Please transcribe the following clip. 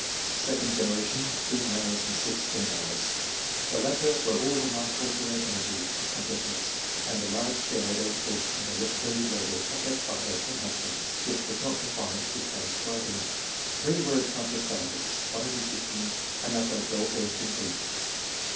Second generation. — 2 males and 6 females. The latter were all remarkable for their energy, accomplishments, and the large share they took in the literary labour of their father and hus bands, which was not confined to transcribing. Three were accomplished artists, one a musician, another well versed in Greek.